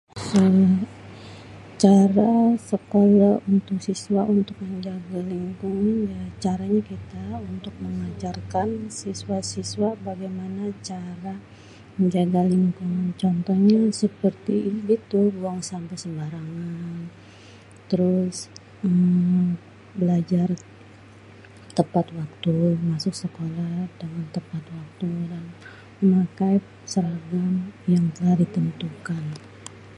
cara supaya untuk siswa untuk menjaga lingkungan ya, caranye kita untuk mengajarkan siswa-siswa bagemane cara menjaga lingkungan contohnye seperti itu buang sampeh sembarangan terus uhm belajar tepat waktu, masuk sekolah tepat waktu memakai seragam yang telah ditentukan.